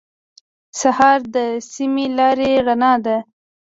سهار د سمې لارې رڼا ده.